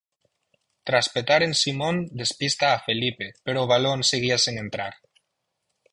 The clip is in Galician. Tras petar en Simón despista a Felipe, pero o balón seguía sen entrar.